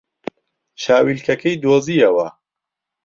چاویلکەکەی دۆزییەوە.